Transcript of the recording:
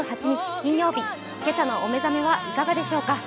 金曜日、今朝のお目覚めいかがでしょうか。